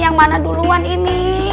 yang mana duluan ini